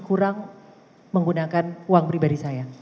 kurang menggunakan uang pribadi saya